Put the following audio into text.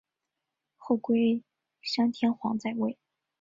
后龟山天皇在位。